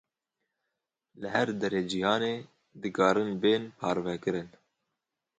Li her derê cîhanê dikarin bihên parvekirin.